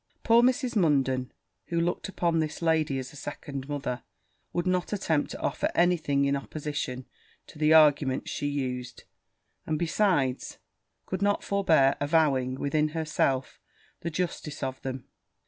Poor Mrs. Munden, who looked upon this lady as a second mother, would not attempt to offer any thing in opposition to the arguments she used; and, besides, could not forbear avowing, within herself, the justice of them.